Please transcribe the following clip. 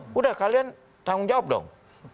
sudah kalian tanggung jawab dong